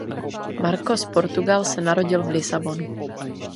Marcos Portugal se narodil v Lisabonu.